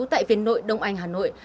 tại viện nội đông anh hà nội